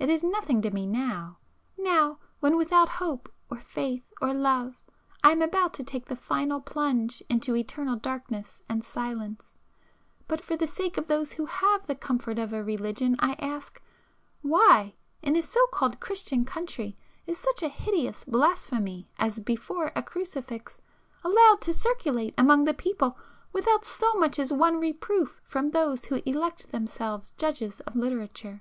It is nothing to me now,—now, when without hope, or faith or love, I am about to take the final plunge into eternal darkness and silence,—but for the sake of those who have the comfort of a religion I ask, why, in a so called Christian country, is such a hideous blasphemy as 'Before a Crucifix' allowed to circulate among the people without so much as one reproof from those who elect themselves judges of literature?